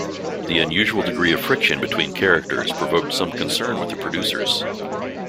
The unusual degree of friction between characters provoked some concern with the producers.